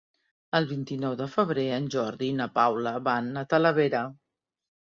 El vint-i-nou de febrer en Jordi i na Paula van a Talavera.